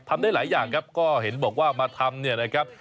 ได้หลายอย่างครับก็เห็นบอกว่ามาทำเนี่ยนะครับ